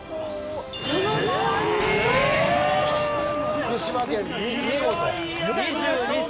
福島県見事。